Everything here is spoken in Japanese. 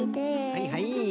はいはい。